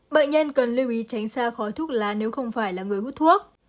bệnh nhân cần lưu ý tránh xa khói thuốc lá nếu không phải là người hút thuốc